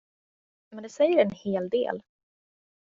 Men det säger en hel del.